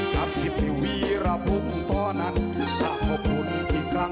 กับที่พี่วีรพงศ์ตอนนั้นขอบคุณอีกครั้ง